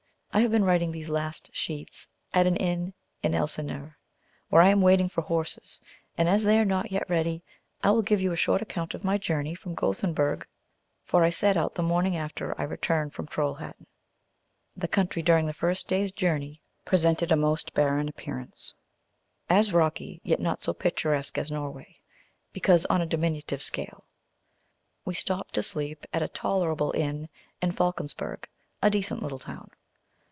I have been writing these last sheets at an inn in Elsineur, where I am waiting for horses; and as they are not yet ready, I will give you a short account of my journey from Gothenburg, for I set out the morning after I returned from Trolhættæ. The country during the first day's journey presented a most barren appearance, as rocky, yet not so picturesque as Norway, because on a diminutive scale. We stopped to sleep at a tolerable inn in Falckersberg, a decent little town.